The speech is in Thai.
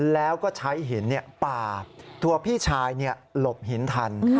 แล้วก็ใช้หินปาบตัวพี่ชายหลบหินทัน